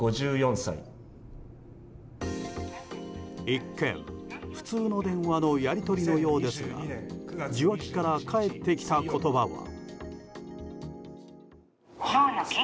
一見、普通の電話のやり取りのようですが受話器から返ってきた言葉は。